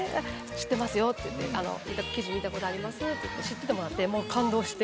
知ってますよって言って記事見た事ありますって言って知っててもらってもう感動して。